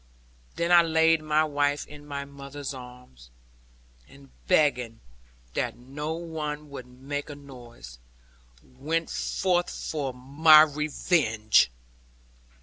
Then I laid my wife in my mother's arms, and begging that no one would make a noise, went forth for my revenge.